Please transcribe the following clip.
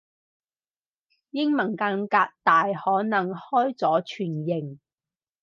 英文間隔大可能開咗全形